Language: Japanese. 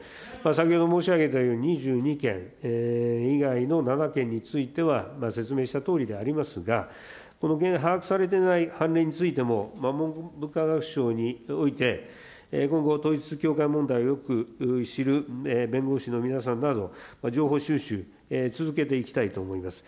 先ほど申し上げたように、２２件以外の７件については説明したとおりでありますが、この把握されていない判例についても、文部科学省において今後、統一教会問題をよく知る弁護士の皆さんなど、情報収集、続けていきたいと思います。